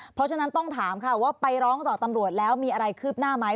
เพราะฉะนั้นต้องถามค่ะว่าไปร้องต่อตำรวจแล้วมีอะไรคืบหน้าไหม